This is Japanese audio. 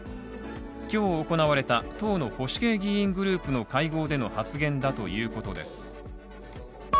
今日行われた党の保守系議員グループの会合での発言だということです。